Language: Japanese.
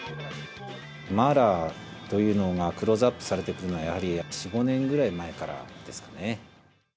麻辣というのがクローズアップされてくるのは、やはり、４、５年ぐらい前からですかね。